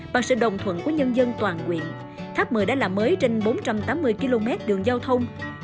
bằng sự đồng thuận của nhân dân toàn quyện tháp một mươi đã làm mới trên bốn trăm tám mươi km đường giao thông